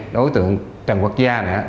đối tượng trần quốc gia